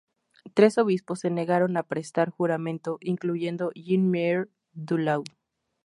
Tres obispos se negaron a prestar juramento, incluyendo Jean-Marie du Lau.